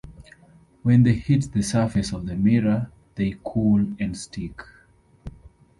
When they hit the surface of the mirror, they cool and stick.